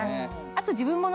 あと自分も。